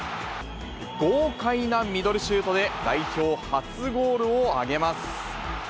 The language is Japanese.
豪快なミドルシュートで代表初ゴールを挙げます。